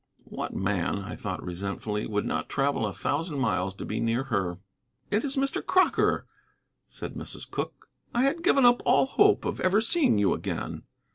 What man, I thought resentfully, would not travel a thousand miles to be near her? "It is Mr. Crocker," said Mrs. Cooke; "I had given up all hope of ever seeing you again.